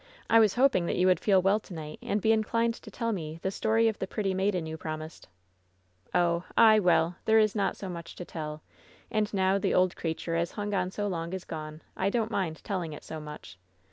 I was hoping that you would feel well to night and be inclined to tell me the story of the pretty maiden you promised," "Oh, ay, well, there is not so much to tell. And now the old creature as hung on so long is gone, I don't mind telling it so much.